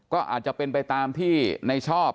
ก็อาจจะเป็นไปตามที่ในชอบ